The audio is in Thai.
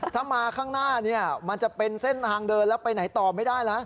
ถ้ามาข้างหน้ามันจะเป็นเส้นทางเดินแล้วไปไหนต่อไม่ได้แล้ว